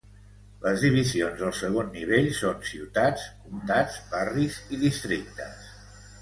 Les divisions del segon nivell són ciutats, comtats, barris, i districtes.